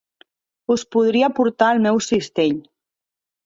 Us podria portar al meu cistell.